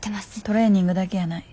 トレーニングだけやない。